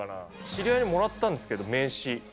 知り合いにもらったんですけど、名刺。